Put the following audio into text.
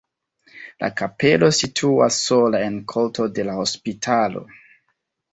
La kapelo situas sola en korto de la hospitalo.